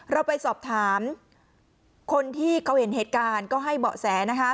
เราไปสอบถามคนที่เขาเห็นเหตุการณ์ก็ให้เบาะแสนะคะ